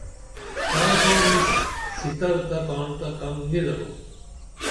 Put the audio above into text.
تائی کاڻ ایس سِتر تہ کاڻ تہ کم نی درو